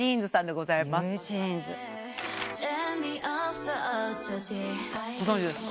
ご存じですか？